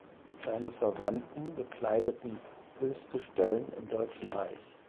Seine Verwandten bekleideten „höchste stellen“ im Deutschen Reich.